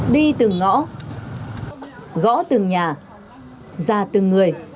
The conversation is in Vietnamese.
đi từng ngõ gõ từng nhà ra từng người